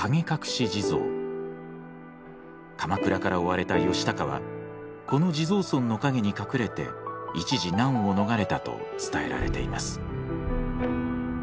鎌倉から追われた義高はこの地蔵尊の陰に隠れて一時難を逃れたと伝えられています。